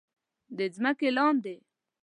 د ځمکې لاندې